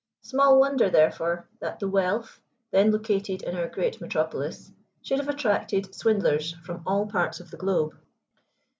Small wonder, therefore, that the wealth, then located in our great metropolis, should have attracted swindlers from all parts of the globe.